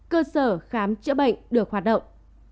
bốn cơ sở khám chữa bệnh được hoạt động